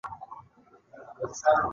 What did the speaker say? شمس الدوله استازی لېږلی وو.